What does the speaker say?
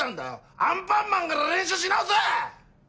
アンパンマンから練習し直せ！